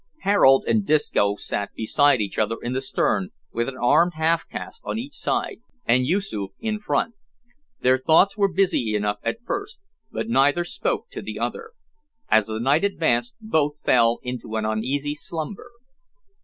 Harold and Disco sat beside each other in the stern, with an armed half caste on each side, and Yoosoof in front. Their thoughts were busy enough at first, but neither spoke to the other. As the night advanced both fell into an uneasy slumber.